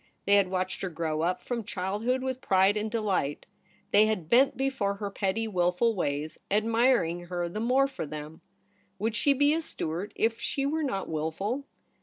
They had watched her growth up from childhood with pride and delight. They had bent before her pretty wilful ways, ad mirinof her the more for them. Would she be a Stuart if she were not wilful